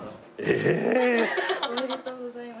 おめでとうございます！